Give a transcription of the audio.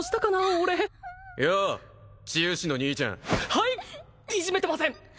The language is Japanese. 俺よう治癒士の兄ちゃんはいいじめてません！